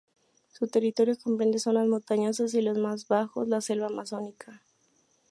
Su territorio comprende zonas montañosas y los más bajos, la selva amazónica.